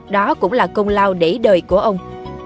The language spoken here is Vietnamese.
đó cũng là công lao để đời của ông